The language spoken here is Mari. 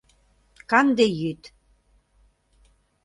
Канде йӱд.